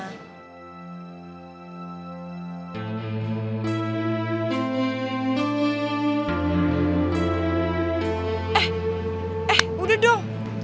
eh eh udah dong